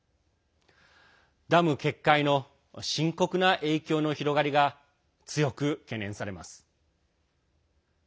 ダム決壊の深刻な影響の広がりが強く懸念されます。